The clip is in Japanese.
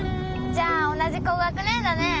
じゃ同じ高学年だねえ。